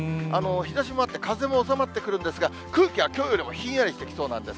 日ざしもあって風も収まってくるんですが、空気がきょうよりもひんやりしてきそうなんです。